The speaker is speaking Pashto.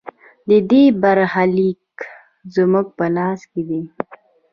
د دې برخلیک زموږ په لاس کې دی؟